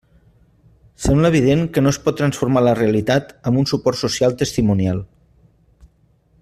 Sembla evident que no es pot transformar la realitat amb un suport social testimonial.